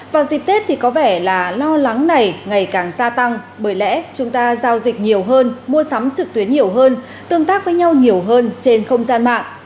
vào dịp tết thì có vẻ là lo lắng này ngày càng gia tăng bởi lẽ chúng ta giao dịch nhiều hơn mua sắm trực tuyến nhiều hơn tương tác với nhau nhiều hơn trên không gian mạng